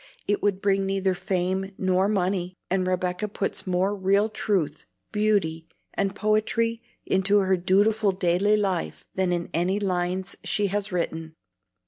It would bring neither fame nor money, and Rebecca puts more real truth, beauty, and poetry into her dutiful daily life than in any lines she has written."